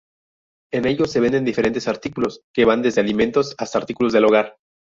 En ellos se venden diferentes artículos, que van desde alimentos hasta artículos del hogar.